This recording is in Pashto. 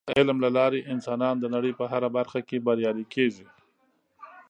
د علم له لارې انسانان د نړۍ په هره برخه کې بریالي کیږي.